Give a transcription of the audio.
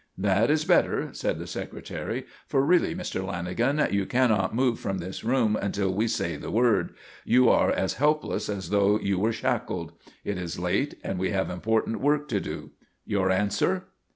"That is better," said the Secretary. "For really, Mr. Lanagan, you cannot move from this room until we say the word. You are as helpless as though you were shackled. It is late and we have important work to do. Your answer?"